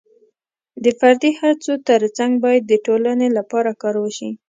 د فردي هڅو ترڅنګ باید د ټولنې لپاره کار وشي.